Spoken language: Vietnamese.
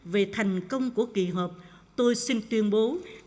về thành công của kỳ họp tôi xin tuyên bố